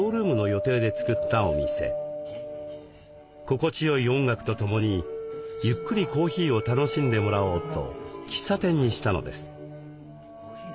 心地よい音楽とともにゆっくりコーヒーを楽しんでもらおうと喫茶店にしたのです。